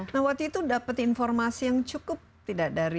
nah waktu itu dapat informasi yang cukup tidak dari